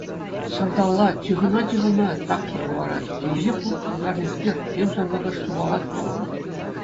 Сӑрталла, чыхӑна-чыхӑна, трактор хӑпарать, темиҫе плуг кӑкарнӑскер, тем сарлакӑш сухалать вӑл.